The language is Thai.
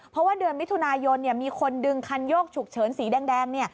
เพราะว่าเดือนมิถุนายนมีคนดึงคันโยกฉุกเฉินสีแดง